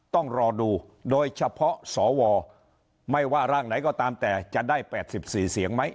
ต้องรอดูโดยเฉพาะสวไม่ว่าร่างไหนก็ตามแต่จะได้๘๔เสียงไหม